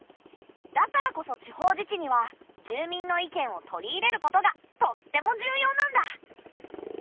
だからこそ地方自治には住民の意見を取り入れることがとっても重要なんだ。